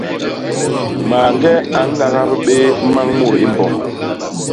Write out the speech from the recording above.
Mañge a ñagap bé mmañ mut i mbom.